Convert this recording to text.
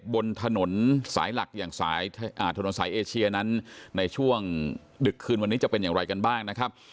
บนถนนสายหลักอย่างถนนสายเอเชียนั้นในช่วงดึกคืนวันนี้จะเป็นอย่างไรกันบ้างนะครับ